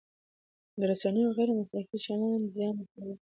د رسنیو غیر مسلکي چلند زیان رسوي.